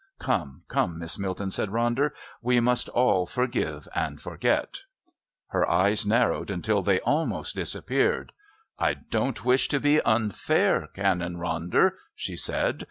"Come, come, Miss Milton," said Ronder. "We must all forgive and forget." Her eyes narrowed until they almost disappeared. "I don't wish to be unfair, Canon Ronder," she said.